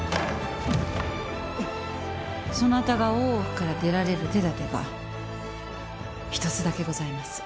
そなたが大奥から出られる手だてが一つだけございます。